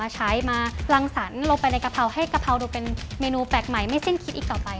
มาใช้ทำรั่งสารลงไปในกระเพราให้เขาโดยเป็นเมนูแปลกใหม่ไม่เส้นที่อีกต่อไป